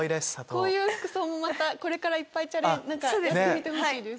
こういう服装もまたこれからいっぱいやってみてほしいです。